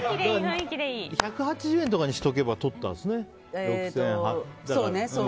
１８０円とかにしておけばとったんですね。